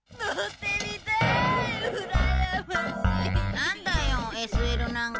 なんだよＳＬなんか。